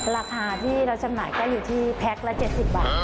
ราคาที่เราจำหน่ายก็อยู่ที่แพ็คละ๗๐บาท